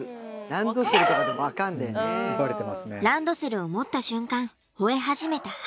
ランドセルを持った瞬間吠え始めたハリー。